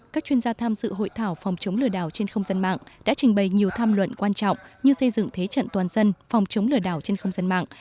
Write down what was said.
các chuyên gia tham dự hội thảo phòng chống lừa đảo trên không gian mạng đã trình bày nhiều tham luận quan trọng như xây dựng thế trận toàn dân phòng chống lừa đảo trên không gian mạng